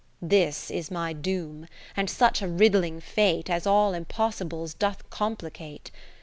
This is my doom, and such a riddling fate As all impossibles doth complicate.